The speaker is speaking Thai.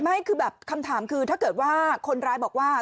ไม่คือแบบคำถามคือถ้าเกิดว่าคนร้ายบอกว่า